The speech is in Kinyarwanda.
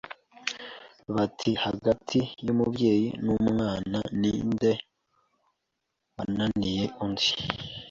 bati hagati y’umubyeyi n’umwana ni nde wananiye undi